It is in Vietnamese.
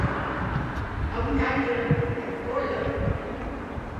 Ông cai trường đánh trống vô lớp